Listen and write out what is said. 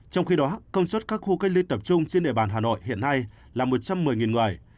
trong khi đó công suất các khu cách ly tập trung trên địa bàn hà nội hiện nay là một trăm một mươi người